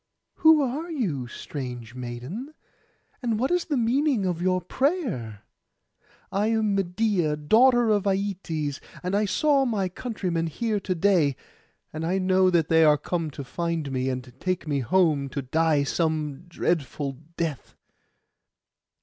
'Who are you, strange maiden? and what is the meaning of your prayer?' 'I am Medeia, daughter of Aietes, and I saw my countrymen here to day; and I know that they are come to find me, and take me home to die some dreadful death.